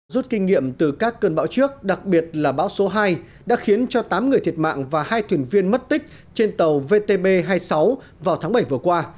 rút kinh nghiệm từ các cơn bão trước đặc biệt là bão số hai đã khiến cho tám người thiệt mạng và hai thuyền viên mất tích trên tàu vtb hai mươi sáu vào tháng bảy vừa qua